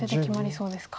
そうですね。